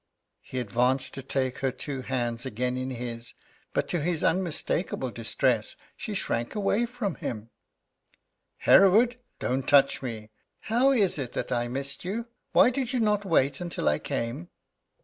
He advanced to take her two hands again in his; but, to his unmistakable distress, she shrank away from him: "Hereward don't touch me. How is it that I missed you? Why did you not wait until I came?"